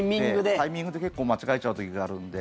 タイミングで結構間違えちゃう時があるんで。